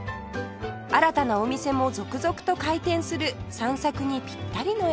新たなお店も続々と開店する散策にピッタリのエリアです